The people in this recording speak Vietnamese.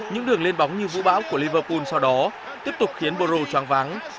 những đường lên bóng như vũ bão của liverpool sau đó tiếp tục khiến borussia dortmund choáng vắng